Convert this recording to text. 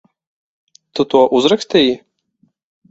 Tu to uzrakstīji?